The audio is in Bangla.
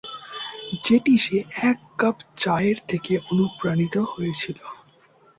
যেটি সে এক কাপ চায়ের থেকে অনুপ্রাণিত হয়েছিল।